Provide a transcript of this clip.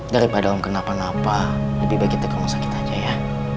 daripada kenapa napa lebih baik kita ke rumah sakit aja ya